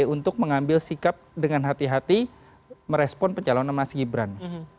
untuk mengambil sikap dengan hati hati merespon pencalonan mas gibran